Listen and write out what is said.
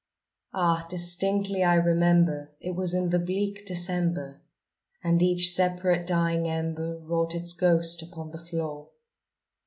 Ah, distinctly I remember it was in the bleak December, And each separate dying ember wrought its ghost upon the floor.